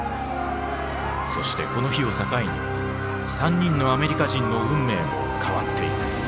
そしてこの日を境に３人のアメリカ人の運命も変わっていく。